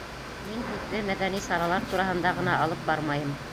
Мин һүҙҙе мәҙәни саралар тураһында ғына алып бармайым.